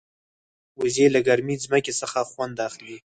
وزې له ګرمې ځمکې څخه خوند اخلي